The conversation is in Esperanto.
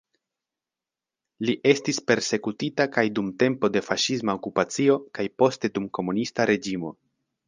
Li estis persekutita kaj dum tempo de faŝisma okupacio kaj poste dum komunista reĝimo.